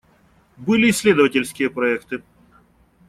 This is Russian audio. Были исследовательские проекты.